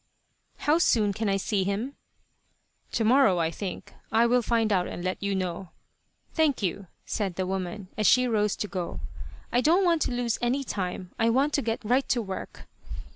"How soon can I see him?" "Tomorrow, I think. I will find out and let you know." "Thank you," said the woman, as she rose to go. "I don't want to lose any time. I want to get right to work."